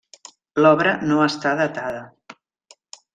L'obra no està datada.